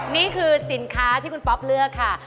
นี่คือสินค้าที่คุณป๊อปเลือกค่ะ